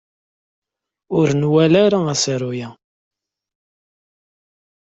Ur nwala ara asaru-a.